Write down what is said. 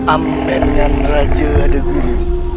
amenan raja degulu